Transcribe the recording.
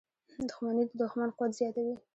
• دښمني د دوښمن قوت زیاتوي.